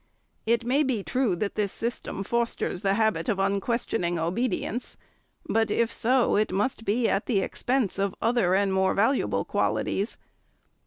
It may be true that this system fosters the habit of unquestioning obedience, but if so it must be at the expense of other and more valuable qualities.